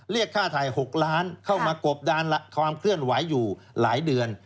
เรียกค่าถ่าย๖ล้านเข้ามากบดานความเคลื่อนไหวอยู่หลายเดือน